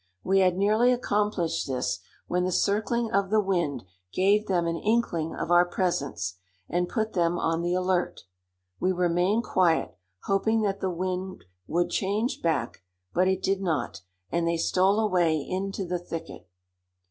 We had nearly accomplished this when the circling of the wind gave them an inkling of our presence, and put them on the alert. We remained quiet, hoping that the wind would change back; but it did not, and they stole away into the thicket.